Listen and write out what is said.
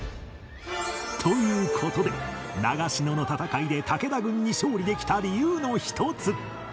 という事で長篠の戦いで武田軍に勝利できた理由の一つ